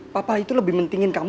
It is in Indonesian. papa itu lebih mendingin kamu